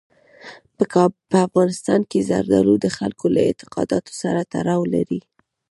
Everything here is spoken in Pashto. په افغانستان کې زردالو د خلکو له اعتقاداتو سره تړاو لري.